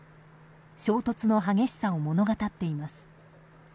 衝突の激しさを物語っています。